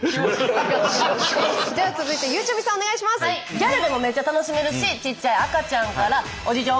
ギャルでもめっちゃ楽しめるしちっちゃい赤ちゃんからおじいちゃん